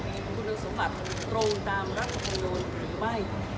มีคุณสมบัติตรงตามรัฐธรรมนูลหรือไม่